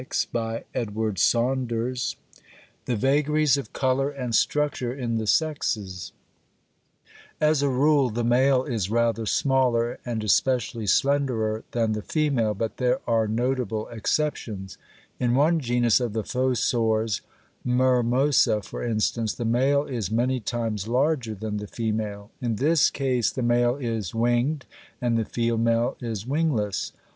THE VAGARIES OF COLOUR AND STRUCTURE IN THE SEXES As a rule the male is rather smaller and especially slenderer than the female, but there are notable exceptions; in one genus of the fossors, Myrmosa for instance, the male is many times larger than the female. In this case the male is winged and the female is wingless.